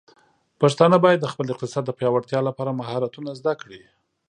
پښتانه بايد د خپل اقتصاد د پیاوړتیا لپاره مهارتونه زده کړي.